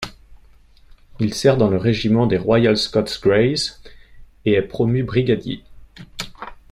Il sert dans le régiment des Royal Scots Greys et est promu brigadier.